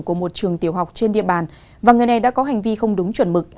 của một trường tiểu học trên địa bàn và người này đã có hành vi không đúng chuẩn mực